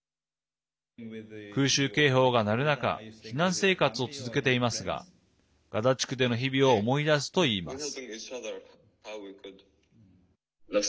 空襲警報が鳴る中避難生活を続けていますがガザ地区での日々を思い出すといいます。